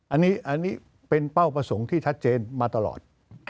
อันนี้เป็นเป้าประสงค์ที่ชัดเจนมาตลอด